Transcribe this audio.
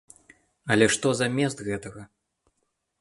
Але што замест гэтага?